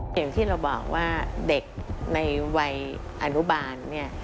อย่างที่เราบอกว่าเด็กในวัยอนุบาลเนี่ย